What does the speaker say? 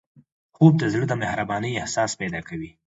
خوب د زړه د مهربانۍ احساس پیدا کوي